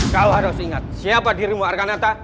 kalau harus ingat siapa dirimu arkanata